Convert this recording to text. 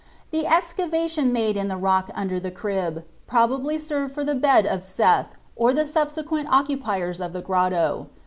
The excava tion made in the rock under the crib probably served for the bed of Seth, or the subsequent occupiers of the grotto.